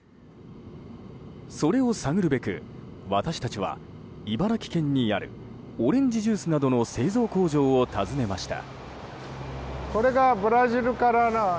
それを探るべく、私たちは茨城県にあるオレンジジュースなどの製造工場を訪ねました。